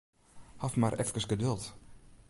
Haw mar efkes geduld.